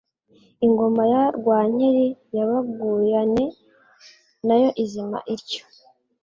Ingoma ya Rwankeli y'Abaguyane nayo izima ityo.